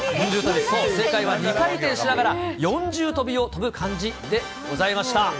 そう、正解は２回転しながら４重跳びを跳ぶ感じでございました。